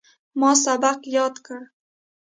ما سبق یاد کړ.